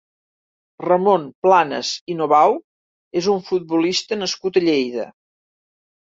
Ramon Planes i Novau és un futbolista nascut a Lleida.